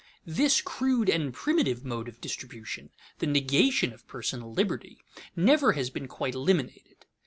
_ This crude and primitive mode of distribution, the negation of personal liberty, never has been quite eliminated.